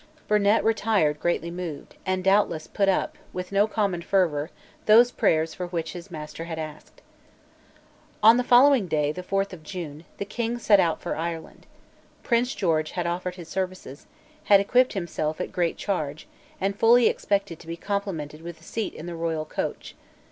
Burnet retired greatly moved, and doubtless put up, with no common fervour, those prayers for which his master had asked, On the following day, the fourth of June, the King set out for Ireland. Prince George had offered his services, had equipped himself at great charge, and fully expected to be complimented with a seat in the royal coach.